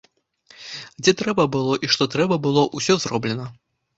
Дзе трэба было і што трэба было, усё зроблена.